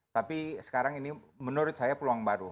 tapi sekarang ini menurut saya peluang baru